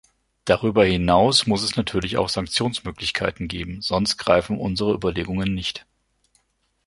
Darüber hinaus muss es natürlich auch Sanktionsmöglichkeiten geben, sonst greifen unsere Überlegungen nicht.